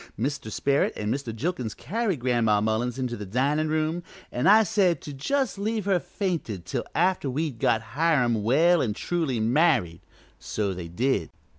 Mr. Sperrit an' Mr. Jilkins carried Gran'ma Mullins into the dinin' room, an' I said to just leave her fainted till after we'd got Hiram well an' truly married; so they did.